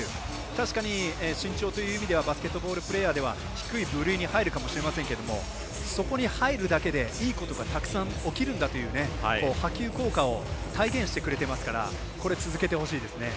確かに身長という意味ではバスケットボールプレーヤーでは低い部類に入るかもしれませんけれどもそこに入るだけでいいことがたくさん起きるんだという波及効果を体現してくれてますからこれ、続けてほしいですね。